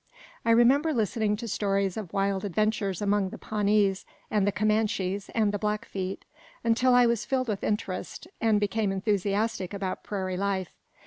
I remember listening to stories of wild adventures among the Pawnees, and the Comanches, and the Blackfeet, until I was filled with interest, and became enthusiastic about prairie life.